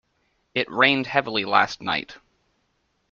It rained heavily last night.